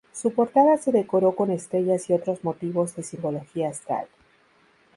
Su portada se decoró con estrellas y otros motivos de simbología astral.